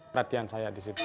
perhatian saya di situ